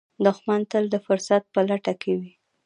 دښمن تل د فرصت په لټه کې وي